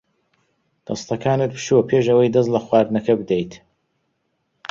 دەستەکانت بشۆ پێش ئەوەی دەست لە خواردنەکە بدەیت.